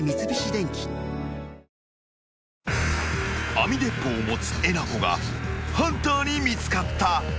［網鉄砲を持つえなこがハンターに見つかった］